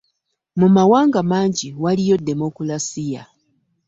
Mu mawanga mangi waliyo demokulasiya.